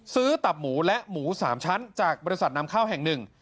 ตับหมูและหมู๓ชั้นจากบริษัทนำเข้าแห่งหนึ่ง